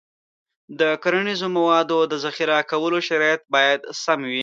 د کرنیزو موادو د ذخیره کولو شرایط باید سم وي.